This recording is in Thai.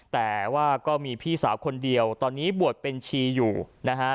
แต่ว่าก็มีพี่สาวคนเดียวตอนนี้บวชเป็นชีอยู่นะฮะ